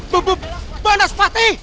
bu bu bu mana sepatu